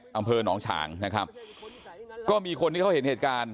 แถวนองศาลนะครับก็มีคนที่เขาเห็นเหตุการณ์